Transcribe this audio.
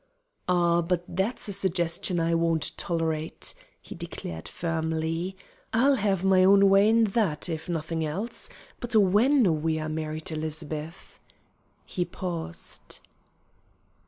"Ah, but that's a suggestion I won't tolerate," he declared, firmly. "I'll have my own way in that, if in nothing else. But, when we are married, Elizabeth" he paused.